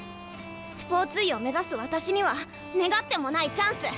スポーツ医を目指す私には願ってもないチャンス。